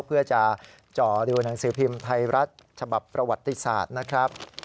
เพื่อจะจ่อดูหนังสือพิมพ์ไทยรัฐฉบับประวัติศาสตร์นะครับ